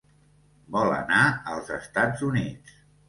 Vol anar als Estats Units.